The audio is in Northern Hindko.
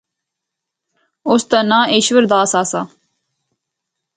اُس دا ںاں ایشور داس آسا۔